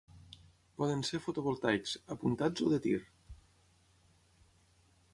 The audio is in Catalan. Poden ser fotovoltaics, apuntats o de tir.